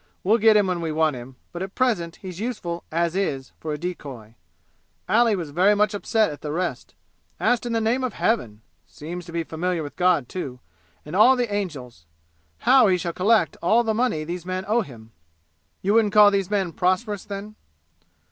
We'll get him when we want him, but at present he's useful 'as is' for a decoy. Ali was very much upset at the arrest asked in the name of Heaven seems to be familiar with God, too, and all the angels! how he shall collect all the money these men owe him!" "You wouldn't call these men prosperous, then?"